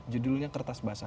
judulnya kertas basah